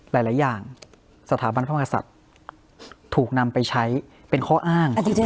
หลายหลายอย่างสถาบันพระภาษาฯถูกนำไปใช้เป็นข้ออ้าง